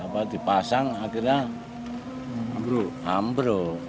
bisa dipasang akhirnya ambruk